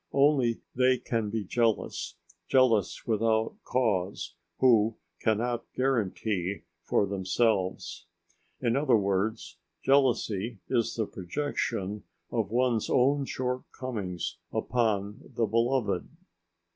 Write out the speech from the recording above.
Only they can be jealous, jealous without cause, who cannot guarantee for themselves. In other words: jealousy is the projection of one's own shortcomings upon the beloved.